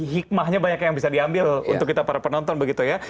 hikmahnya banyak yang bisa diambil untuk kita para penonton begitu ya